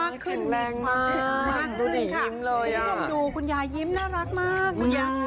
คุณผู้ชมดูคุณยายยิ้มน่ารักมากคุณยาย